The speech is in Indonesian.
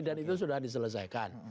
dan itu sudah diselesaikan